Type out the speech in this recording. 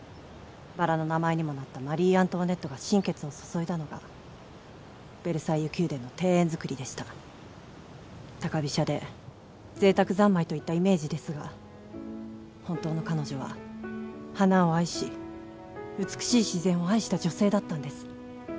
バラの名前にもなったマリー・アントワネットが心血を注いだのがベルサイユ宮殿の庭園造りでした高飛車で贅沢三昧といったイメージですが本当の彼女は花を愛し美しい自然を愛した女性だったんです